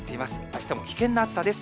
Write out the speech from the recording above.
あしたも危険な暑さです。